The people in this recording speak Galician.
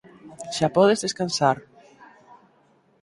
Xa podes descansar.